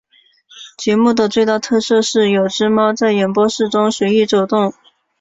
节目的最大特色是有只猫在演播室中随意走动。